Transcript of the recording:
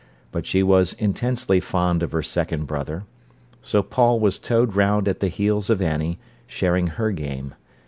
But she was intensely fond of her second brother. So Paul was towed round at the heels of Annie, sharing her game.